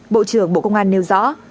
bộ trưởng bộ công an nêu rõ